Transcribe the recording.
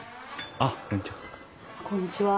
あっこんにちは。